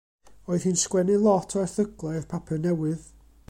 Oedd hi'n sgwennu lot o erthyglau i'r papur newydd.